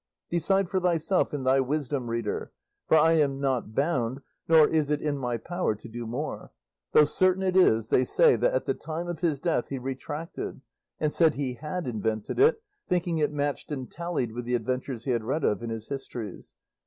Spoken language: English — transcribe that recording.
Decide for thyself in thy wisdom, reader; for I am not bound, nor is it in my power, to do more; though certain it is they say that at the time of his death he retracted, and said he had invented it, thinking it matched and tallied with the adventures he had read of in his histories."